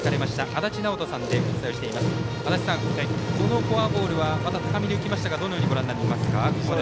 足達さん、このフォアボールは高めに浮きましたがどのようにご覧になりますか。